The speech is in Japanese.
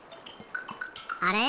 あれ？